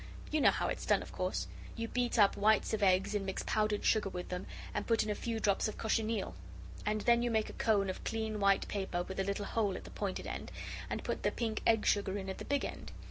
You know how it's done, of course? You beat up whites of eggs and mix powdered sugar with them, and put in a few drops of cochineal. And then you make a cone of clean, white paper with a little hole at the pointed end, and put the pink egg sugar in at the big end.